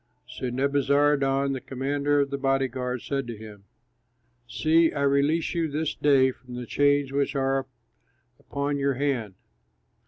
So Nebuzaradan, the commander of the body guard, said to him, "See, I release you this day from the chains which are upon your hand.